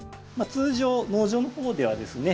通常農場のほうではですね